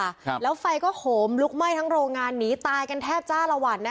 ครับแล้วไฟก็โหมลุกไหม้ทั้งโรงงานหนีตายกันแทบจ้าละวันนะคะ